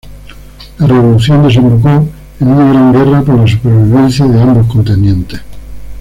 La revolución desembocó en una gran guerra por la supervivencia de ambos contendientes.